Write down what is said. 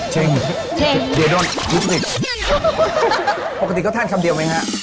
เจงกิสเดี๋ยวโดนอุปนิษฐ์ปกติก็ทานคำเดียวไหมฮะ